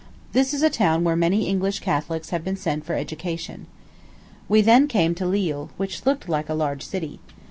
This is a town where many English Catholics have been sent for education. We then came to Lille, which looked like a large city.